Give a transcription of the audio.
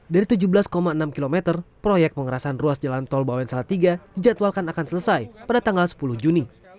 dari tujuh belas enam km proyek pengerasan ruas jalan tol bawen salatiga dijadwalkan akan selesai pada tanggal sepuluh juni